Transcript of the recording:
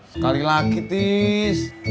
sekali lagi tis